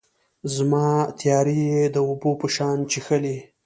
زما تیارې یې د اوبو په شان چیښلي